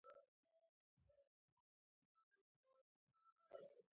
د دواړو ډلو مخور او سپین ږیري سره جرګه شول.